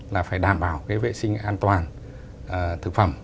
là phải đảm bảo cái vệ sinh an toàn thực phẩm